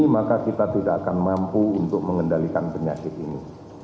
maka kita tidak akan mampu untuk mengendalikan penyakit ini